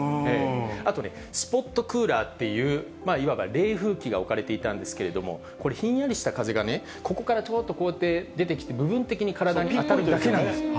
あとね、スポットクーラーっていう、いわば冷風機が置かれていたんですけれども、これ、ひんやりした風がね、ここからちょっとこうやって出てきて、部分的に体に当たるだけなんですって。